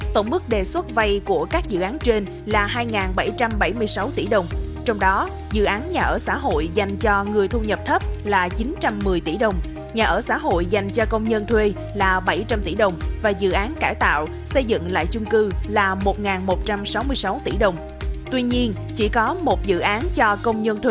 tổng mức đề xuất vây của các dự án trên là hai bảy trăm bảy mươi sáu tỷ đồng trong đó dự án nhà ở xã hội dành cho người thu nhập thấp là chín trăm một mươi tỷ đồng nhà ở xã hội dành cho công nhân thuê là bảy trăm linh tỷ đồng